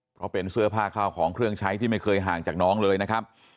เพราะเป็นเสื้อผ้าข้าวของเครื่องใช้ที่ไม่เคยห่างจากน้องเลยนะครับ